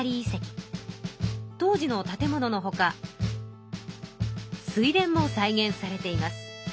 当時の建物のほか水田も再現されています。